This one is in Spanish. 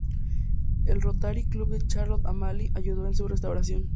El Rotary Club de Charlotte Amalie ayudó en su restauración.